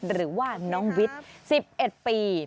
หรือว่าน้องวิทย์๑๑ปี